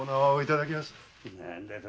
何だと？